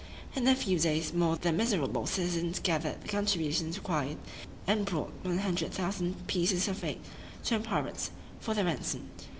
In a few days more the miserable citizens gathered the contributions required, and brought 100,000 pieces of eight to the pirates for their ransom.